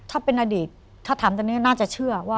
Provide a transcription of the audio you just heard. ถ้าเป็นอดีตถ้าถามตอนนี้น่าจะเชื่อว่า